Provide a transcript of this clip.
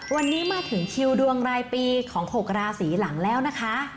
วันนี้มาถึงคิวดวงรายปีของ๖ราศีหลังแล้วนะคะ